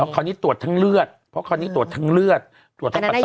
เขานี่ตรวจทั้งเลือดตรวจทั้งปัตตาวะ